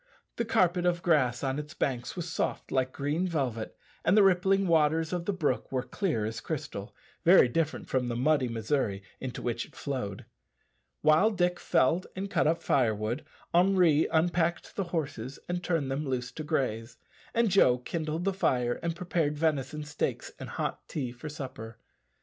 The carpet of grass on its banks was soft like green velvet, and the rippling waters of the brook were clear as crystal very different from the muddy Missouri into which it flowed. While Dick Varley felled and cut up firewood, Henri unpacked the horses and turned them loose to graze, and Joe kindled the fire and prepared venison steaks and hot tea for supper.